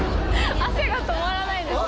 汗汗が止まらないです